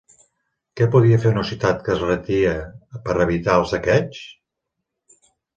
Què podia fer una ciutat que es retia per evitar el saqueig?